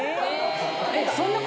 えっ！